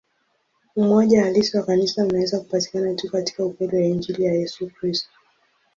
Umoja halisi wa Kanisa unaweza kupatikana tu katika ukweli wa Injili ya Yesu Kristo.